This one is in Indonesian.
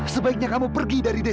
sebaiknya kamu pergi dari desa